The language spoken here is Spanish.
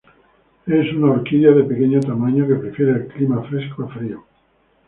Es una orquídea de pequeño tamaño, que prefiere el clima fresco a frío.